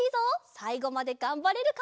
さいごまでがんばれるか？